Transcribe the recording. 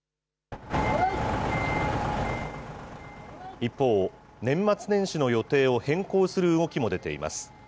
一方、年末年始の予定を変更する動きも出ています。